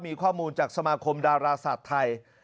มีข้อมูลจากสมาคมดาราศาสตร์ไทย